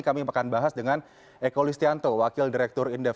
kami akan bahas dengan eko listianto wakil direktur indef